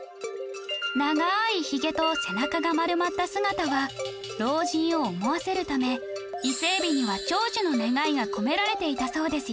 長いヒゲと背中が丸まった姿は老人を思わせるため伊勢海老には長寿の願いが込められていたそうですよ